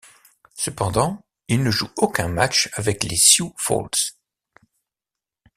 Cependant, il ne joue aucun match avec les Sioux Falls.